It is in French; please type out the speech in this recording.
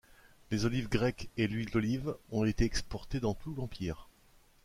Les olives grecques et l'huile d'olive ont été exportées dans tout l'Empire.